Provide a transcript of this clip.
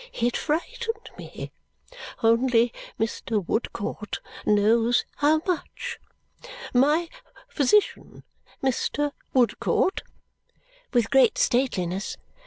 It frightened me. Only Mr. Woodcourt knows how much. My physician, Mr. Woodcourt!" with great stateliness.